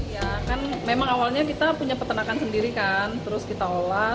ya kan memang awalnya kita punya peternakan sendiri kan terus kita olah